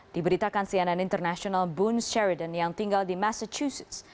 diberitakan cnn international boone sheridan yang tinggal di massachusetts